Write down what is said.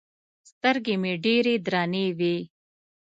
سترګې مې ډېرې درنې وې.